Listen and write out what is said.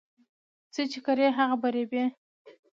څه چې کرې هغه به ریبې